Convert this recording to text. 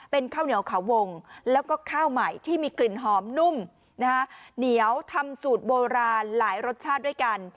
เป็นข้าวเหนียวขาววงแล้วก็ข้าวใหม่ที่มีกลิ่นหอมนุ่มเหนียวทำสูตรโบราณหลายรสชาติด้วยกัน